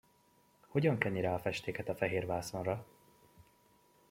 Hogyan keni rá a festéket a fehér vászonra?